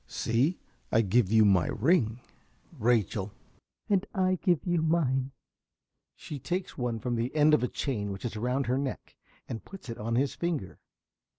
See, I give you my ring! ~Rachel.~ And I give you mine. (_She takes one from the end of a chain which is round her neck, and puts it on his finger.